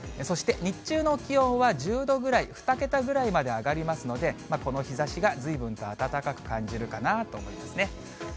そして日中の気温は１０度ぐらい、２桁ぐらいまで上がりますので、この日ざしがずいぶんと暖かく感じるかと思いますね。